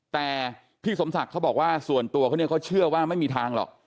แต่พี่สมศักดิ์เขาบอกว่าส่วนตัวเขาเนี่ยเขาเชื่อว่าไม่มีทางหรอก